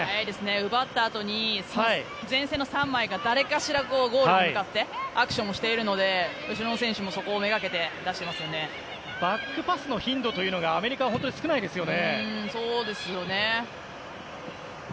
奪ったあとに前線の３枚が誰かしらゴールに向かってアクションをしているので後ろの選手もそこにめがけてバックパスの頻度がアメリカは本当に少ないですね。